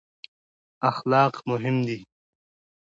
اخلاق مهم دي.